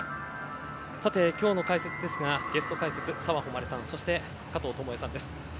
今日の解説ですがゲスト解説、澤穂希さんそして、加藤與惠さんです。